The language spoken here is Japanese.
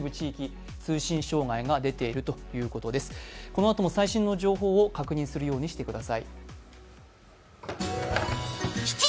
このあとも最新の情報を確認するようにしてください。